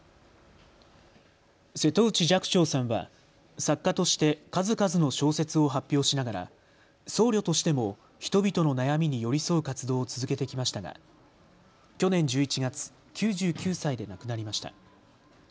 瀬戸内寂聴さんは作家として数々の小説を発表しながら僧侶としても人々の悩みに寄り添う活動を続けてきましたが去年１１月、９９歳で亡くなりました。